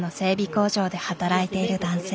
工場で働いている男性。